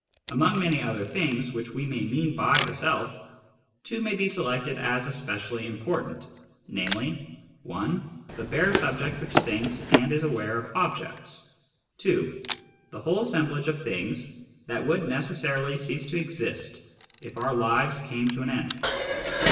Among many other things which we may mean by the Self, two may be selected as specially important, namely, (i) the bare subject which thinks and is aware of objects, (2) the whole assemblage of things that would necessarily cease to exist if our lives came to an end.